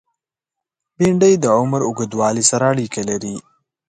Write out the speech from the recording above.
بېنډۍ د عمر اوږدوالی سره اړیکه لري